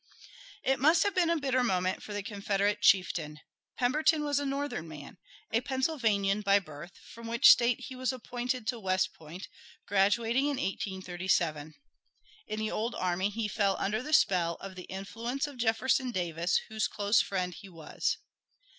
It must have been a bitter moment for the Confederate chieftain. Pemberton was a Northern man, a Pennsylvanian by birth, from which State he was appointed to West Point, graduating in 1837. In the old army he fell under the spell of the influence of Jefferson Davis, whose close friend he was.